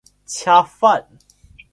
恰饭